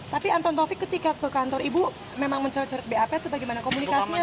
tapi anton taufik ketika ke kantor ibu memang mencoret bap itu bagaimana komunikasinya